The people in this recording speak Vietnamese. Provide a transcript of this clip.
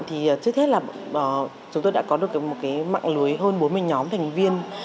thì trước hết là chúng tôi đã có được một cái mạng lưới hơn bốn mươi nhóm thành viên